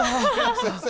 すいません。